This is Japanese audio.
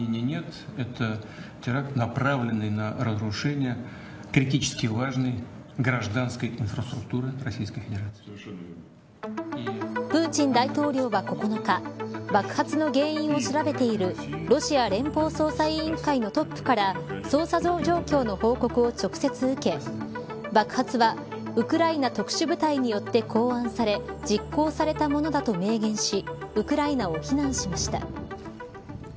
プーチン大統領は９日爆発の原因を調べているロシア連邦捜査委員会のトップから捜査状況の報告を直接受け爆発はウクライナ特殊部隊によって考案され実行されたものだと明言しウクライナを非難しました。